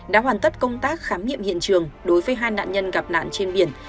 đã hoàn tất công tác khám nghiệm hiện trường đối với hai nạn nhân gặp nạn trên biển